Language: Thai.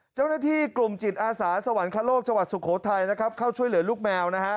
เจ้าหน้าที่กลุ่มจิตอาสาสวรรค์โลกชวัดสุโขทัยเข้าช่วยเหลือลูกแมว